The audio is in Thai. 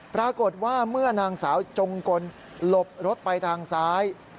ปรากฏว่าเมื่อนางสาวจงกลหลบรถไปทางซ้าย